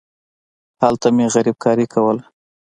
هلته مې غريبکاري کوله.